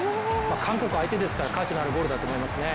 韓国相手ですから価値のあるゴールだと思いますね。